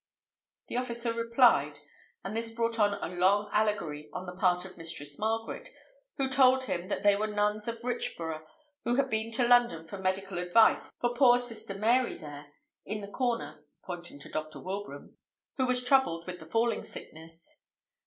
The officer replied; and this brought on a long allegory on the part of Mistress Margaret, who told him that they were nuns of Richborough, who had been to London for medical advice for poor sister Mary, there, in the corner (pointing to Dr. Wilbraham), who was troubled with the falling sickness.